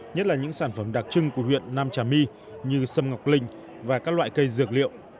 nhất là những sản phẩm đặc trưng của huyện nam trà my như sâm ngọc linh và các loại cây dược liệu